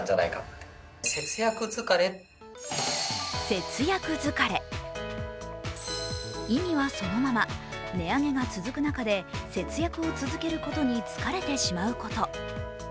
節約疲れ、意味はそのまま、値上げが続く中で節約を続けることに疲れてしまうこと。